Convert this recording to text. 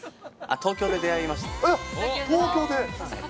東京で出会いました。